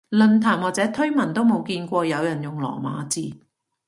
論壇或者推文都冇見過有人用羅馬字